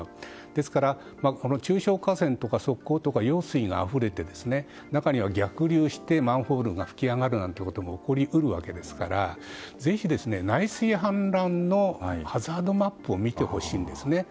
ですから、中小河川とか側溝とか用水があふれて中には逆流してマンホールが噴き上がるなんてことも起こり得るわけですからぜひ内水氾濫のハザードマップを見てほしいんですね。